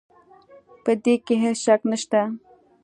په دې کې هيڅ شک نشته